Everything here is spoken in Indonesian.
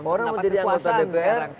orang mau jadi anggota dpr